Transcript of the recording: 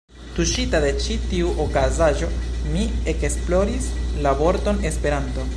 Tuŝita de ĉi tiu okazaĵo, mi ekesploris la vorton ”Esperanto”.